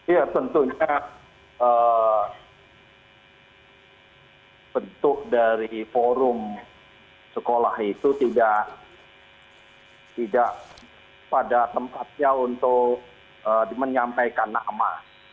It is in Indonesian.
ya tentunya bentuk dari forum sekolah itu tidak pada tempatnya untuk menyampaikan nama